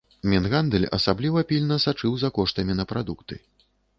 Мінгандаль асабліва пільна сачыў за коштамі на прадукты.